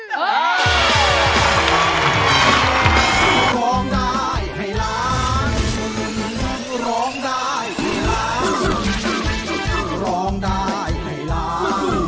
กรรมได้ให้ล้าน